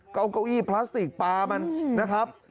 เก้าเก้าอี้พลาสติกปลามันนะครับ